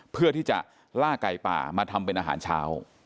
เพื่อที่จะล่าไก่ป่ามาทำเป็นอาหารเช้า